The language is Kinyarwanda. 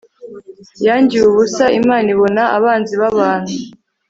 yangiwe ubusa imana ibona abanzi babantu